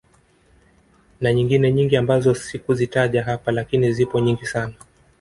Na nyingine nyingi ambazo sikuzitaja hapa lakini zipo nyingi sana